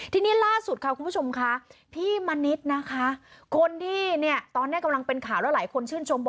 ทีนี้ล่าสุดค่ะคุณผู้ชมค่ะพี่มณิษฐ์นะคะคนที่เนี่ยตอนนี้กำลังเป็นข่าวแล้วหลายคนชื่นชมบอก